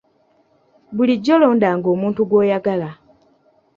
Bulijjo londanga omuntu gw'oyagala.